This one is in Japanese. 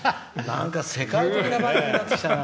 世界的な番組になってきたな。